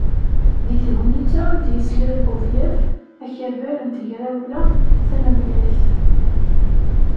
Deg tegnatin-a i d-yeslal Buḍyaf akabar n Tegrawla Tanemlayt.